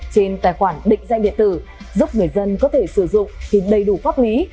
trên tài khoản định danh địa tử giúp người dân có thể sử dụng hình đầy đủ pháp lý